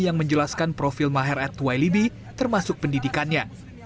yang menjelaskan profil maher at twailibi termasuk pendidikannya